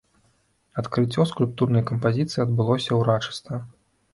Адкрыццё скульптурнай кампазіцыі адбылося ўрачыста.